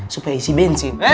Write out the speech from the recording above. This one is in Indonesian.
supaya isi bensin